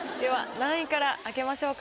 何位から開けましょうか？